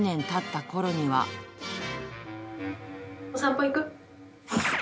１お散歩行く？